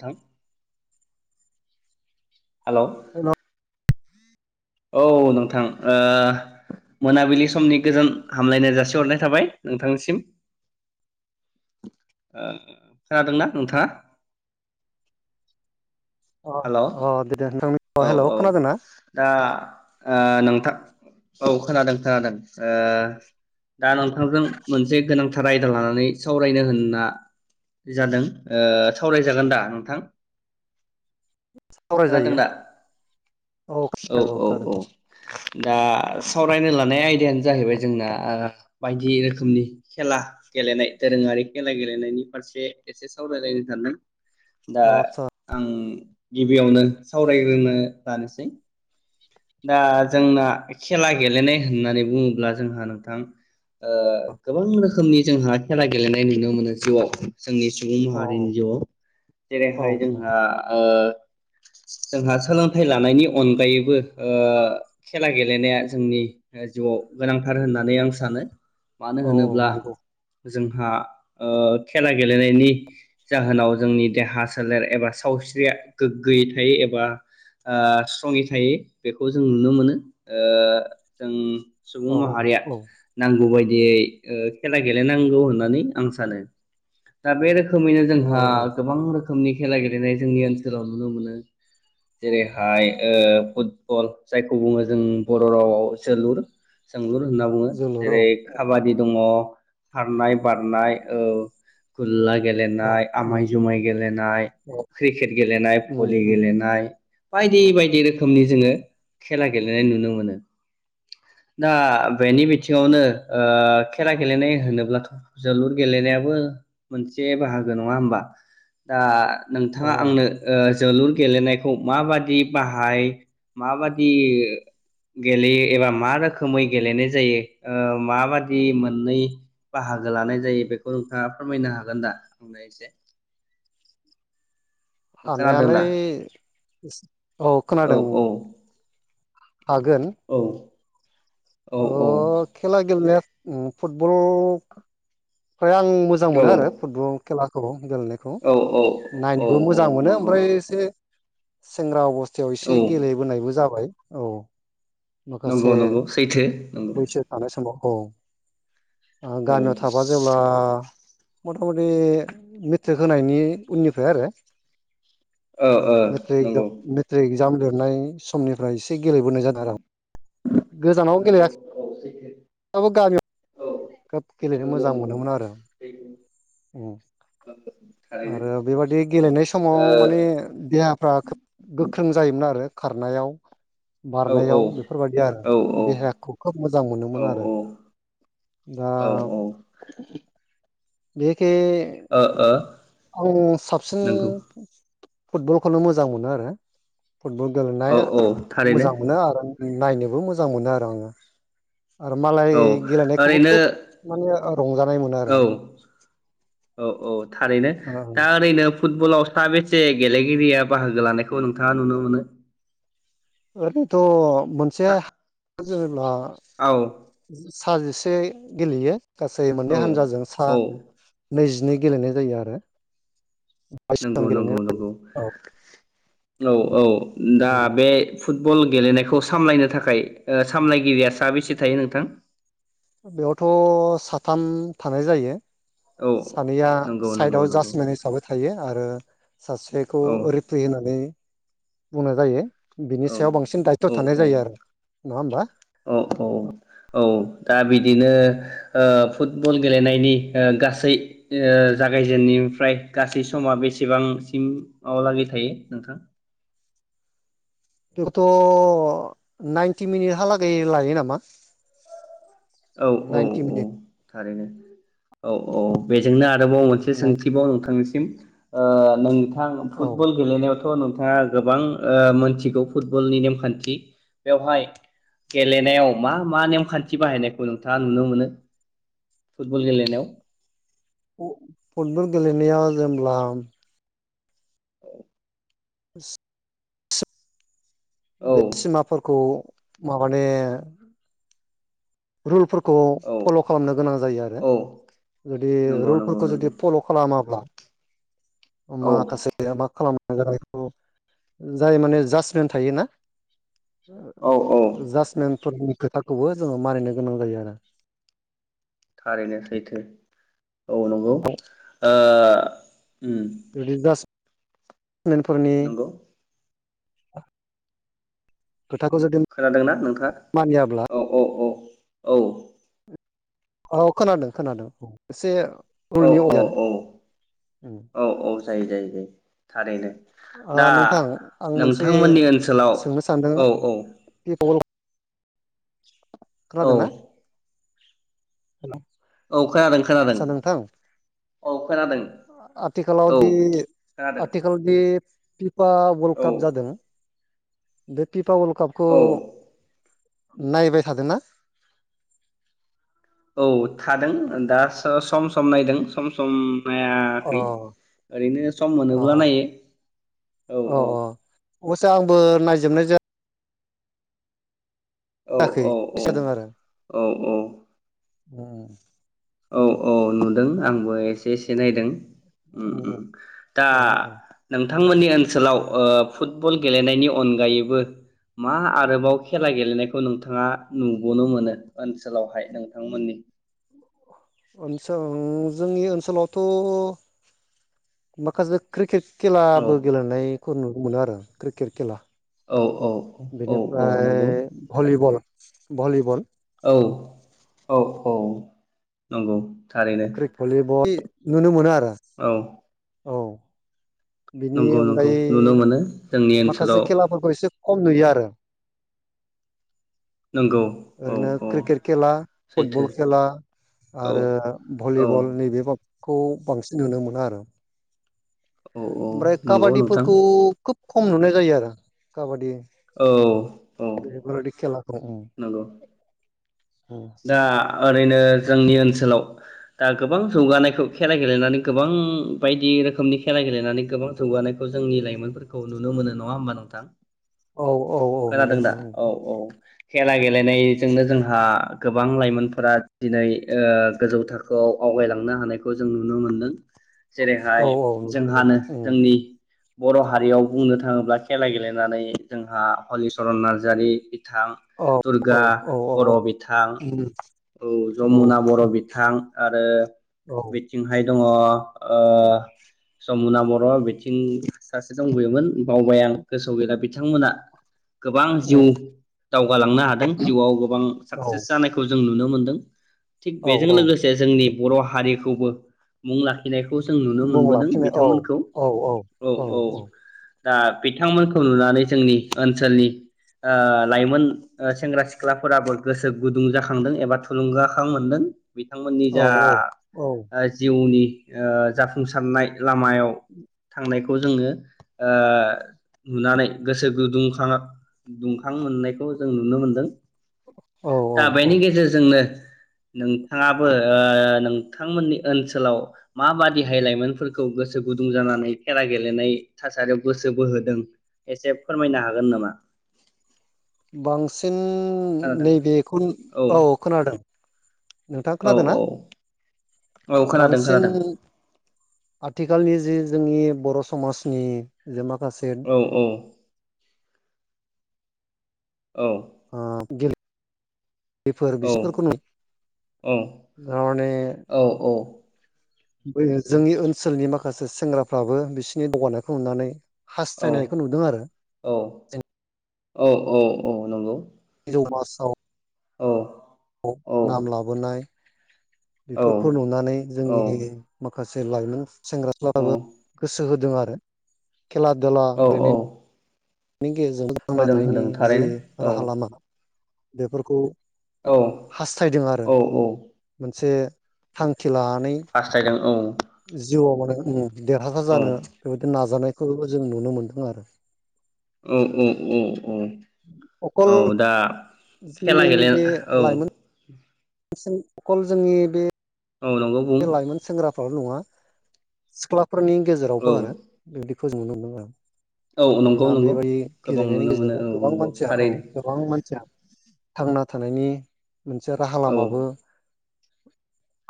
थां hello hello औ नोंथां ओ मोनाबिलि समनि गोजोन हामलायनाय जासिहरनाय थाबाय नोंथांनिसिम ओ खोनादोंना नोंथाङा? अ हेलौ अ दे नोंथांनि औ हेल' औ खोनादोंना? दा ओ नोंथां औ खोनादों खोनादों ओ दा नोंथांजों मोनसे गोनांथार आयदा लानानै सावरायनो होनना जादों ओ सावरायजागोन दा नोंथां? खोनादों सावरायजायो दा औ औ औ दा साव रायनो लानाय आयदायानो जाहैबाय ओ जोंना बायदि रोखोमनि खेला गेलेनाय दोरोङारि खेला गेलेनायनि फारसे एसे सावरायलायनो सानदों। दा अ आदसा आं गिबियावनो सावरायग्रोनो लानोसै। दा जोंना खेला गेलेनाय होननानै बुङोब्ला जोंहा नोंथां ओ गोबां रोखोमनि जोंहा खेला गेलेनाय नुनो मोनो जिउआव। जोंनि सुबुं औ माहारिनि जिउआव औ जेरैहाय जोंहा ओ जोंहा सोलोंथाइ लानायनि अनगायैबो ओ खेला गेलेनाया जोंनि जिउआव गोनांथार होननानै आं सानो। मानो औ होनोब्ला नंगौ जोंहा ओ खेला गेलेनायनि जाहोनाव जोंनि देहा सोलेर एबा सावस्रिया गोग्गोयै थायो एबा ओ स्ट्रङै थायो। बेखौ जों नुनो मोनो ओ जों सुबुं औ औ माहारिया औ नांगौबायदि दियै खेला गेलेनांगौ होननानै आं सानो। दा बे रोखोम रोखोमैनो उम औ जोंहा औ गोबां रोखोम रोखोमनि खेला गेलेनाय जोंनि ओनसोलाव नुनो मोनो। जेरैहाय ओ फुद बल जायखौ बुङो जों बर' रावाव जोलुर। जोंलुर होनना बुङो जोलुर औ जेरै काबादि दङ' खारनाय बारनाय औ गुलाय औ गेलनाय आमाय उम जुमाय गेलेनाय औ क्रिकेट गेलेनाय उम भलि उम गेलेनाय बायदि औ बायदि रोखोमनि जोङो खेला गेलेनाय नुनो मोनो। दा बेनि बिथिङावनो ओ खेला गेलेनाय होनोब्लाथ' जोलुर गेलेनायाबो मोनसे बाहागो नङा होनबा? दा अ नोंथाङा आंनो ओ जोलुर गेलेनायखौ माबादि बाहाय माबादि गेलेयो एबा मा रोखोमै गेलेनाय जायो ओ माबादि मोननै बाहागो लानाय जायो बेखौ नोंथाङा फोरमायनो हागोन दा आंनो एसे? खोनादों दा हानायालाय औ खोनादों उ हागोन। औ औ अ खेला गेलनाया उम फुटबल आं मोजां मोनो आरो फुटबल। खेलाखौ गेलेनायखौ औ औ औ नायनोखौ औ मोजां मोनो नंगौ ओमफ्राय एसे सेेंग्रा अबस्थ थायाव एसे औ गेलेबोनायबो जाबाय। औ। माखासे नंगौ नंगौ सैथो नंगौ। बैसो थानाय समाव औ। औ गामियाव था वा जेब्ला मथा मथि मेट्रिक होनायनि उननिफ्राय आरो ओ ओ नंगौ। जाम लिरनाय समनिफ्राय एसे गेलेबोनाय जादों आरो गोजानावनो नंगौ गेलेया औ सैथो [unintelligible] बो गामि औ खोब गेलेनो नंगौ मोजां नंगौ मोनोमोन आरो सैथो उ आरो बेबादि गेलेनाय समाव माने थारैनो देहाफ्रा खोब गोख्रों जायोमोन आरो खारनायाव ओ औ बारनायाव बेफोरबायदि आरो औ औ देहाखौ खोब मोजां औ मोनोमोन आरो दा औ ओ बे खे ओ आङो साबसिन नंगौ फुटबलखौनो मोजां मोनो आरो। फुटबल औ गेलेनाय औ थारैनो मोजां मोनो आरो नायनोबो मोजां मोनो आरो आङो। आरो मालाय औ गेलेनायखौबो ओरैनो खोब माने रंजानाय मोनो औ आरो। औ औ थारैनो दा ओरैनो फुटबलाव साबेसे गेलेगिरिया बाहागो लानायखौ नोंथाङा नुनो मोनो? ओैरैनोथ' मोनसे सा जेनेब्ला औ सा जिसे गेलेयो। गासै औ मोननै हानजाजों सा औ नैजि बिदिनो गेलेनाय जायो आरो बाइस नंगौ जन गेलेनाय नंगौ नंगौ औ औ औ दा बे फुटबल गेलेनायखौ सामलायनो थाखाय सामलायगिरिया सााबेसे थायो नोंथां? बेयावथ' साथाम थानाय जायो। औ सानैया नंगौ नंगौ साइदआव जास नंगौ मेन हिसाबै थायो। आरो सासेखौ औ रिफ्रि होनानै बुंनाय जायो। बिनि औ सायाव बांसिन दायथ' औ थानाय औ जायो आरो नङा होमबा औ औ औ। दा बिदिनो ओ फुटबल गेलेनायनि ओ गासै ओ जागायजेननायनिफ्राय गासै समा बेसेबांसिम आव लागै थायो नोंथां? [unintelligible] नाइनटि मिनिटहालागै लायो नामा? औ औ नाइनटि औ मिनिट थारैनो औ औ। जोंनो आरोबाव मोनसे सोंथिबाव नोंथांनिसि [inaudible] ओ नों थां औ फुटबल गेलेनायाव त नोंथाङा गोबां ओ मोनथिगौ फुटबलनि नेमखान्थि बेवहाय गेलेनायाव मा मा नेमखान थि बाहायनाय खौ नोंथाङा नुनो मोनो? फुटबल गेलेनायाव [unintelligible] फुटबल गेलेनाया जेब्ला [inaudible] औ [unintelligible] सिमाफोरखौ माबादे रुलफोर [unintelligible] औ फल' खालामनो गोनां जायो आरो औ जुदि नंगौ नंगौ रुलफोरखौ नंगौ जुदि फल' खालामाब्ला [unintelligible] औ माखासे मा खालामो [unintelligible] जाय माने जासटमेन्ट थायोना औ औ [unintelligible] जासमेन फोरनि खोथाखौबो जोङो मारिनो गोनां जायो आरो। थारैनो सैथो। औ नंगौ ओ ओ [unintelligible] नंगौ [unintelligible] [unintelligible] खोथाखौ जुदि खोनादोंना मानियाब्ला नोंथाङा औ औ औ औ औ खोनादों खोनादों इसे औ औ औ औ औ जायो जायो जायो थारैनो। ओ दा नोंथां आं मोनसे नोंथांमोननि ओनसोलाव सोंनो सानदों औ औ [unintelligible] औ खोनादोंना औ खोनादों खोनादों औ खोनादों औ आथिखालावदि खोनादों आथिखालावदि [inaudible] फिफा वाल्ड औ काप जादों बे फि फा वाल्ड कापखौ औ नायबाय थादों ना औ थादों दा सम सम नायदों सम सम अ नायाखै ओरैनो सम अ मोनोब्ला नायो औ औ अबसे आंबो नायजोबनाय जाया औ जायाखै औ औ जादों आरो औ औ उम औ औ नु दों आंबो एसे एसे नायदों उम उम दा अ अ नों थांमोननि ओनसोलाव ओ फुटबल गेलेनायनि अनगायैबो मा आरोबाव खेला गेलेनायखौ नोंथाङा नुबोनो मोनो ओनसोलावहाय नोंथांमोननि [unintelligible] उम जोंनि ओनसोलावथ माखासे क्रिकेट औ खेलाबो गेलेनाय खौ नुनो मोनो आरो क्रिकेट खेला औ औ औ औ बेनिफ्राय नंगौ भलिबल भलिबल औ औ औ नंगौ थारैनो [unintelligible] भलिबल नुनो [unintelligible] औ औ बिनि नंगौ नंगौ अनगायै नुनो मोनो जोंनि माखासे ओनसोलाव खेलाफोरखौ एसे खम नुयो आरो नंगौ औ ओरैनो औ क्रिकेट खेला सैथो फुटबल खेला औ आरो औ भलिबल नैबे [unintelligible] खौ बांसिन नुनो मोना आरो औ औ ओमफ्राय नंगौ नोंथां काबादिफोरखौ खोब खम नुनाय जायो आरो काबादि औ औ बेफोरबायदि खेलाखौ नंगौ दा ओरैनो जोंनि ओनसोलाव दा गोबां जौगानायखौ खेला गेलेनानै गोबां बायदि रोखोमनि खेला गेलेनानै गोबां जौगानायखौ जोंनि लाइमोनफोरखौ नुनो मोनो नङा होमबा नोंथां? औ औ औ नुनो मोनो औ खेला गेलेनायजोंनो जोंहा गोबां लाइमोनफोरा दिनै ओ गोजौ थाखोआव आवगायलांनो हानायखौ जों नुनो मोनदों औ जेरैहाय औ औ नुनो जोंहानो मोनो जोंनि बर' हारियाव बुंनो थाङोब्ला खेला गेलेनानै जोंहा हलिचरन नार्जारि बिथां औ औ दुर्गा औ औ बर' औ बिथ थां उम, औ जमुना बर' बिथां आरो बेथिं हाय दङ' ओ ज'मुना बर' बिथिं सासे दंबोयोमोन बावबाय आं गोसोआव गैला बिथांमोना गोबां जिउ उम, दावगालांनो हादों जिउआव गोबां साक्सेस औ जानायखौ जों नुनो मोनदों थिग औ बेजों औ लोगोसे जोंनि बर' हारिखौबो मुं ला [unintelligible] नायखौ जों नुनो मुं मोनबोदों लाखिनाय औ बिथांमोनखौ औ औ दा बिथांमोनखौ नुनानै जोंनि ओनसोलनि ओ लाइमोन ओ सेंग्रा सिख्लाफोराबो गोसो गुदुं जाखांदों एबा थुलुंगाखां मोनदों बिथांमोननि औ जा ओ जिउनि ओ जाफुंसारनाय लामायाव थांनाय खौ जोङो ओ नुनानै गोसो गुदुंखाङो दुंखां मोननायखौ जों नुनो मोनदों औ दा औ औ बेनि गेजेरजोंनो नोंथाङाबो ओ नोंथांमोननि ओनसोलाव माबादिहाय लाइमोनफोरखौ गोसो गुदुं जानानै खेला गेलेनाय थासारियाव गोसो बोहोदों एसे फोरमायनो हागोन नामा? बांसिन [unintelligible] खोनादों नैबेखुन औ खोनादों नोंथां औ खोनादों ना? औ औ खोनादों बांसिन खोनादों आथि खालनि जे जोंनि बर समाजनि जे माल औ औ। औ आ [unintelligible] बेफोर औ [unintelligible] गावनि औ बै जोंनि ओनसोलनि माखासे सेंग्राफ्राबो बिसनि दावगा नायखौ नुनानै औ हास्थायनायखौ नुदों आरो [unintelligible] औ औ औ औ नंगौ। [unintelligible] औ। औ नाम लाबोनाय औ बेफोरखौ नुनानै औ जोंनि मा खासे लाइमोन सेंग्राफ्राबो गोस होदों आरो। खेला धुला औ औ गेलेनायनि [unintelligible] गेजेरजजों थांना होदों होदों थानायनि जे थारैनो औ राहा लामा। बेफोरखौ औ हास्थायदों आरो औ औ मोनसे थांखि लानानै फासथायदों औ। जिवाव माने उम। देरहासार औ जानो बेबायदि नाजानाय खौबो जों नुनो मोन्दों आरो। औ औ औ औ अकल औ दा खेला गेले औ। बांसिन अखल जोंनि बे औ नंगौ बुं लाइमोन सेंग्राफ्राल नङा सिक्ला फोरनि औ गेजेरावबो आरो बि फोजनो मोनदों आं औ नंगौ मानोना नंगौ बेबायदि गोबां गेलेनायनि नुनो मोनो गेजेरजोंबो औ गोबां नंगौ मानसिया औ थारैनो गोबां मानसिया थांना थानायनि मोनसे राहा औ लामाबो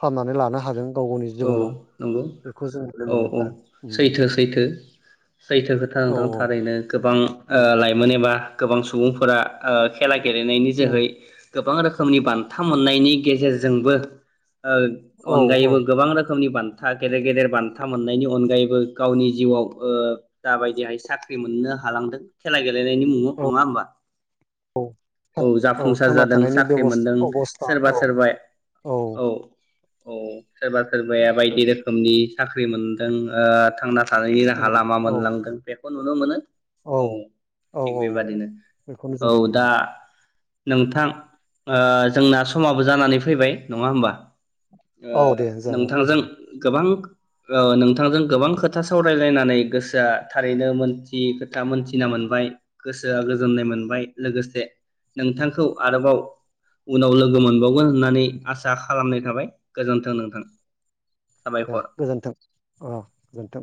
खामनानै ला नो हादों। गाव गावनि औ जिबनाव नंगौ बेखौ जों नुनो औ मोनदों औ आरो सैथो सैथो सैथो खोथा औ नोंथां थारैनो गोबां ओ उम लाइमोन एबा गोबां सुबुंफोरा ओ खेला गेलेनायनि जोहै औ गोबां रोखोमनि बान्था मोननायनि गेजेरजोंबो ओ औ अनगायबो गोबां रोखोमनि बान्था गेदेर गेदेर बान्था मोननायनि अनगायैबो गावनि जिउआव ओ दाबायदिहाय साख्रि मोननो हालांदों खेला गेलेनायनि मुङाव औ नङा होमबा? औ जाफुंसार थांना जादों थानायनि साख्रि बेबस्था मोनदों अबस्था सोरबा औ सोरबा औ। औ। सोरबा सोरबाया बायदि रो खोमनि साख्रि मोनदों ओ थांना थानायनि राहा उम लामा औ मोनलांगोन बे खौ नुनो मोनो। औ औ थिग औ बेबादिनो। बेखौनो जों नुनो औ दा मोनो नोंथां ओ जोंना समाबो जानानै फैबाय नङा होमबा? ओ औ दे नोंथांजों जागोन गोबां ओ नोंथांजों गोबां खोथा सावरायलायनानै गोसोया थारैनो मोनथियै खोथा मोनथिना मोनबाय गोसोया गोजोननाय मोनबाय लोगोसे नोंथांखौ आरोबाव उनाव लोगो मोनबावगोन होननानै आसा खालामनाय थाबाय। गोजोन्थों नोंथां। दे साबायखर गोजोनथों अ गोजोनथों।